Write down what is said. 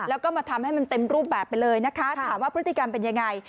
แล้วก็มาทำให้มันเต็มรูปแบบไปเลยนะคะถามว่าพฤติกรรมเป็นยังไง